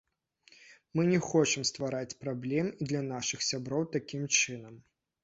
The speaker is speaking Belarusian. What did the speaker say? Мы не хочам ствараць праблем і для нашых сяброў такім чынам.